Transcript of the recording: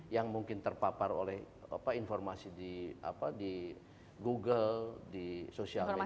yang mungkin terpapar oleh informasi di google di sosial media